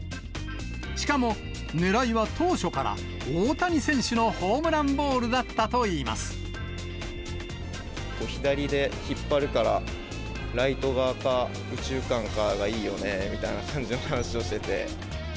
しかもねらいは当初から大谷選手のホームランボールだったといい左で引っ張るから、ライト側か、右中間かがいいよねみたいな感じの話をしてて。